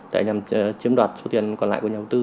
để nhằm chiếm đoạt số tiền còn lại của nhà đầu tư